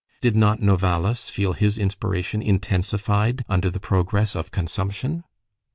Did not Novalis feel his inspiration intensified under the progress of consumption?